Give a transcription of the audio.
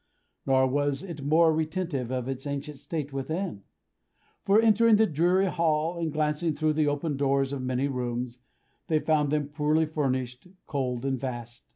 Nor was it more retentive of its ancient state within; for entering the dreary hall, and glancing through the open doors of many rooms, they found them poorly furnished, cold, and vast.